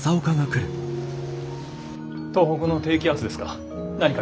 東北の低気圧ですか？